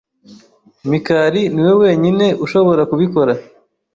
Mikali niwe wenyine ushobora kubikora.